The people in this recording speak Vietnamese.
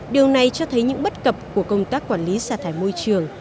điều này cho thấy những bất cập của công tác quản lý xa thải môi trường